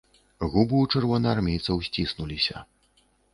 Губы ў чырвонаармейцаў сціснуліся.